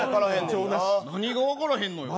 何、分からへんのよ。